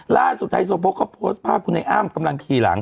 ล่างสุดท้ายสวพก็โพสต์พาททุกคนในอ้ามกำลังขี่หลัง